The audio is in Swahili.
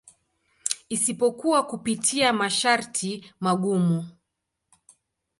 Isipokuwa kupitia masharti magumu.